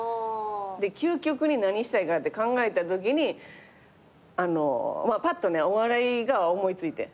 で究極に何したいかって考えたときにパッとねお笑いが思いついてん。